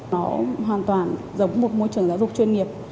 nó hoàn toàn giống một môi trường giáo dục chuyên nghiệp